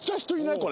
これ。